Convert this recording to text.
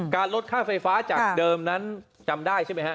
ลดค่าไฟฟ้าจากเดิมนั้นจำได้ใช่ไหมฮะ